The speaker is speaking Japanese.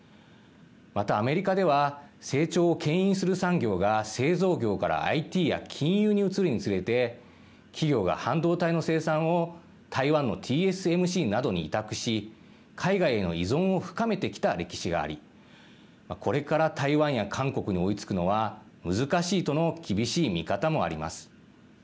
また、アメリカでは成長をけん引する産業が製造業からＩＴや金融に移るにつれて企業が半導体の生産を台湾のＴＳＭＣなどに委託し海外への依存を深めてきた歴史がありこれから台湾や韓国に追いつくのは難しいとの厳しい見方もあります。